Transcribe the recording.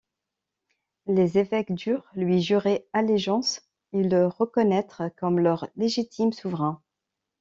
Les évêques durent lui jurer allégeance et le reconnaître comme leur légitime souverain.